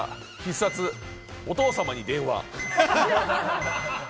必殺、お父様に電話。